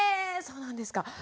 そうなんですか。